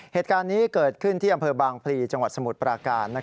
เหตุการณ์นี้เกิดขึ้นที่อำเภอบางพลีจังหวัดสมุทรปราการ